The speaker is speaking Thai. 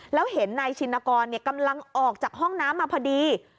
แล้วเห็นนายชินกรกำลังออกจากห้องน้ำมาพอดี